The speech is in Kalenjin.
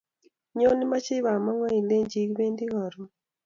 Nyon imachi bamonho ilechi kipendi karun